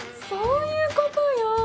そういうことよ。